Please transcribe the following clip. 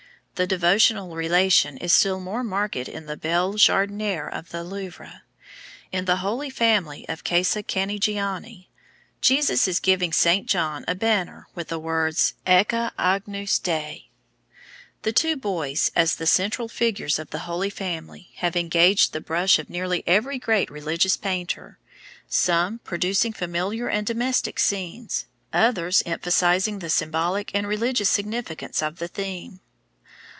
The devotional relation is still more marked in the Belle Jardinière of the Louvre. In the Holy Family of Casa Canigiani, Jesus is giving Saint John a banner with the words Ecce Agnus Dei. The two boys, as the central figures of the Holy Family, have engaged the brush of nearly every great religious painter, some producing familiar and domestic scenes, others emphasizing the symbolic and religious significance of the theme.